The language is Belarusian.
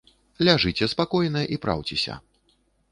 Ляжыце спакойна і праўцеся.